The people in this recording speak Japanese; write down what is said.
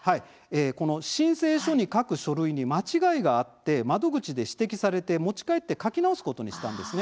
この申請書に書く書類に間違いがあって窓口で指摘されて持ち帰って書き直すことにしたんです。